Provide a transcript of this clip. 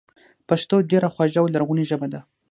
پښتو ډېره خواږه او لرغونې ژبه ده